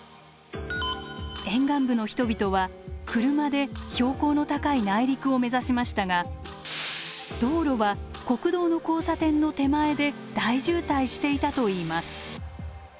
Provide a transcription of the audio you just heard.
沿岸部の人々は車で標高の高い内陸を目指しましたが道路は国道の交差点の手前で大渋滞していたといいます。